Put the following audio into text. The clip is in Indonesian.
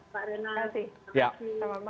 terima kasih pak renal